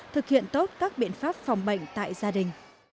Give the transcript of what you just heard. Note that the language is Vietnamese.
thực hiện tốt các biện pháp phòng bệnh tại gia đình